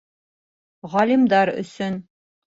Ғалимдар өсөн